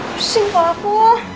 pusing kok aku